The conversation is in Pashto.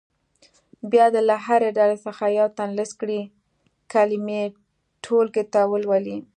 بیا دې له هرې ډلې څخه یو تن لیست کړې کلمې ټولګي ته ولولي.